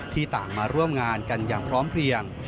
ต่างมาร่วมงานกันอย่างพร้อมเพลียง